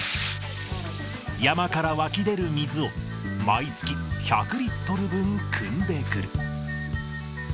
山から湧き出る水を毎月１００リットル分くんでくる。